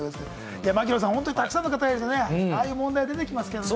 槙野さん、本当にたくさんの人がああいう問題は出てきますね。